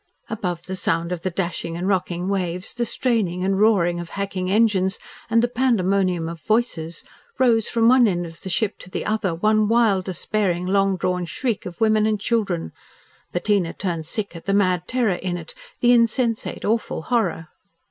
Above the sound of the dashing and rocking waves, the straining and roaring of hacking engines and the pandemonium of voices rose from one end of the ship to the other, one wild, despairing, long drawn shriek of women and children. Bettina turned sick at the mad terror in it the insensate, awful horror.